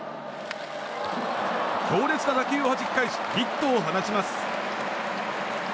強烈な打球をはじき返しヒットを放ちます。